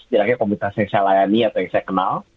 setidaknya komunitas yang saya layani atau yang saya kenal